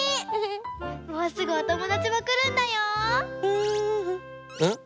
もうすぐおともだちもくるんだよ。